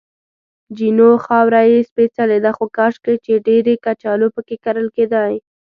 جینو: خاوره یې سپېڅلې ده، خو کاشکې چې ډېرې کچالو پکې کرل کېدای.